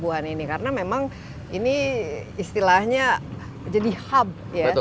pelabuhan ini karena memang ini istilahnya jadi hub ya